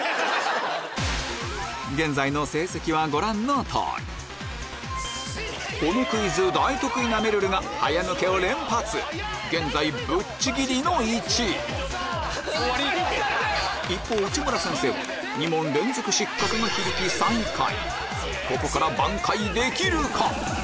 現在の成績はご覧の通りこのクイズ大得意なめるるが早抜けを連発現在ぶっちぎりの１位一方内村先生はここから挽回できるか？